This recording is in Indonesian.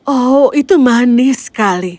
oh itu manis sekali